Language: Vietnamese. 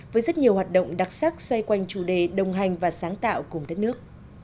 với rất nhiều hoạt động đặc sắc xoay quanh chủ đề đồng hành và sáng tạo cùng đất nước